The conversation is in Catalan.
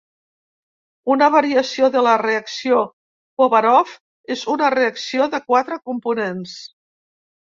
Una variació de la reacció Povarov és una reacció de quatre components.